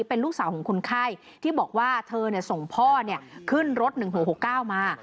เป็นลูกสาวของคนไข้ที่บอกว่าเธอส่งพ่อขึ้นรถ๑๖๖๙มา